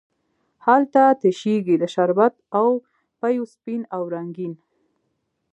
هلته تشیږې د شربت او پېو سپین او رنګین،